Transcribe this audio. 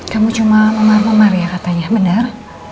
kamu cuma memar memar ya katanya benar